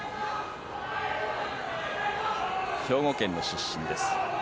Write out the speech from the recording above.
兵庫県の出身です。